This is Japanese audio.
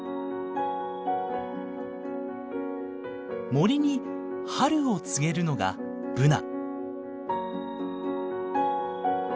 森に春を告げるのがブナ。